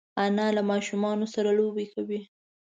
انا له ماشومانو سره لوبې کوي